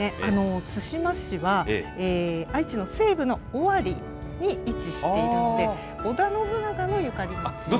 津島市は、愛知の西部の尾張に位置しているので、織田信長のゆかりの地。